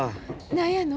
何やの？